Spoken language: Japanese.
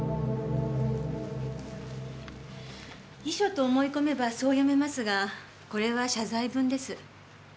遺書と思い込めばそう読めますがこれは謝罪文です。